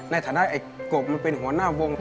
ในฐานะไอ้กบมันเป็นหัวหน้าวง